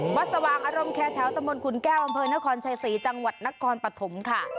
สว่างอารมณ์แคร์แถวตะมนต์ขุนแก้วอำเภอนครชัยศรีจังหวัดนครปฐมค่ะ